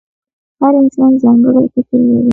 • هر انسان ځانګړی فکر لري.